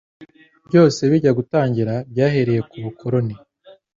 Byose bijya gutangira byahereye ku bukoroni